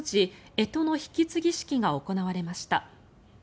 干支の引き継ぎ式が行われました。